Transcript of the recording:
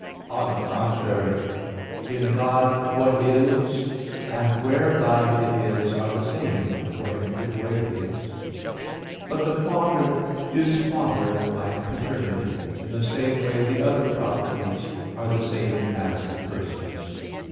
On the contrary, in God "what is" and "whereby it is" are the same, according to Boethius (De Hebdom.). But the Father is Father by paternity. In the same way, the other properties are the same as the persons.